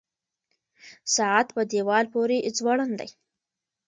ساعت په دیوال پورې ځوړند دی.